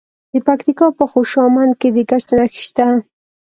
د پکتیکا په خوشامند کې د ګچ نښې شته.